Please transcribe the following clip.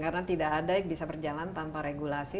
karena tidak ada yang bisa berjalan tanpa regulasi